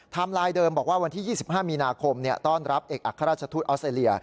ไลน์เดิมบอกว่าวันที่๒๕มีนาคมต้อนรับเอกอัครราชทูตออสเตรเลีย